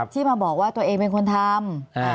ที่มาบอกว่าตัวเองเป็นคนทำ